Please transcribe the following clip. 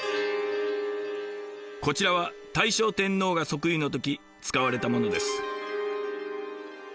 こちらは大正天皇が即位の時使われたものです。